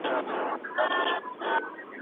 ځینې توري یوڅپیز دي.